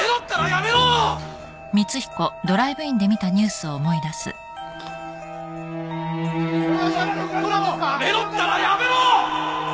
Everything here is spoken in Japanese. やめろったらやめろ！